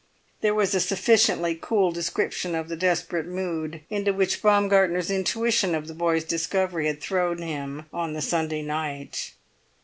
There was a sufficiently cool description of the desperate mood into which Baumgartner's intuition of the boy's discovery had thrown him on the Sunday night."